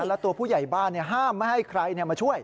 แล้วตัวผู้ใหญ่บ้านห้ามไม่ให้ใครมาช่วย